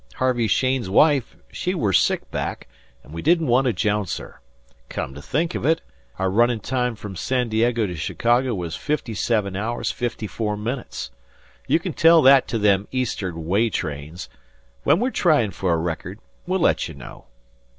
Harvey Cheyne's wife, she were sick back, an' we didn't want to jounce her. 'Come to think of it, our runnin' time from San Diego to Chicago was 57.54. You can tell that to them Eastern way trains. When we're tryin' for a record, we'll let you know."